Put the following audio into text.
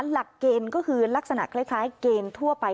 หลักเกณฑ์ก็คือลักษณะคล้ายเกณฑ์ทั่วไป